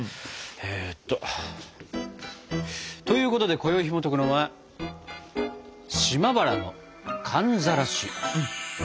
えっと。ということでこよいひもとくのは「島原の寒ざらし」。